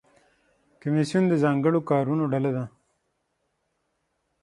کمیسیون د ځانګړو کارونو ډله ده